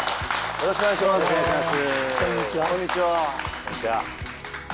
よろしくお願いします。